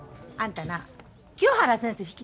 あんたな清原先生